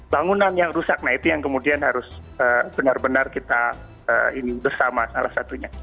bangunan yang rusak nah itu yang kemudian harus benar benar kita ini bersama salah satunya